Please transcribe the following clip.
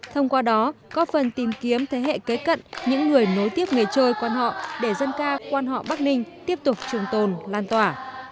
thông qua đó có phần tìm kiếm thế hệ kế cận những người nối tiếp nghề chơi quan họ để dân ca quan họ bắc ninh tiếp tục trường tồn lan tỏa